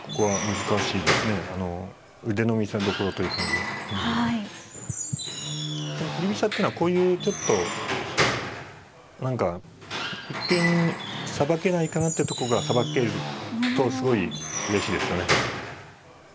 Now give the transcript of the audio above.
でも振り飛車ってのはこういうちょっと何か一見さばけないかなってとこがさばけるとすごいうれしいですよね。